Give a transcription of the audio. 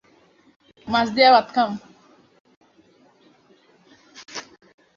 An award in her name is given out each year to women students.